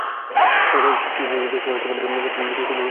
স্ত্রীকে জিজ্ঞেস করলেন, তোমাদের কাছে কি কোন লোক এসেছিল?